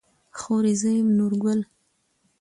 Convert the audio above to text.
خورې زه يم نورګل.